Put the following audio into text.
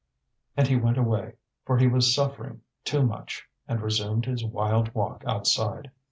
And he went away, for he was suffering too much, and resumed his wild walk outside.